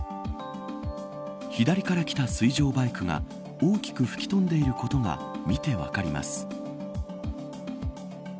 左から来た水上バイクが大きく吹き飛んでいることが見て分かります。